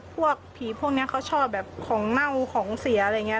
พวกผีพวกนี้เขาชอบแบบของเน่าของเสียอะไรอย่างนี้